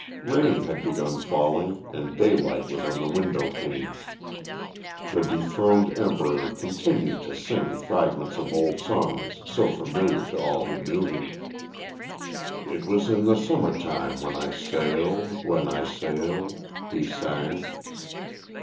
Rain had begun falling and daylight was on the window panes. The dethroned Emperor continued to sing fragments of old songs so familiar to all who knew him. "It was in the summer time when I sailed, when I sailed," he sang.